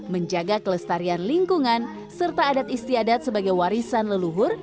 menjaga kelestarian lingkungan serta adat istiadat sebagai warisan leluhur